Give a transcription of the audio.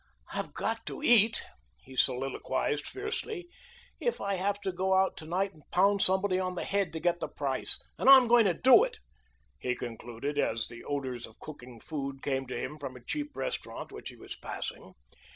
"I've got to eat," he soliloquized fiercely, "if I have to go out to night and pound somebody on the head to get the price, and I'm going to do it," he concluded as the odors of cooking food came to him from a cheap restaurant which he was passing.